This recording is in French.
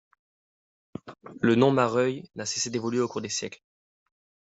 Le nom Marœuil, n'a cessé d'évoluer au cours des siècles.